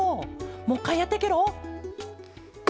もう１かいやってケロ。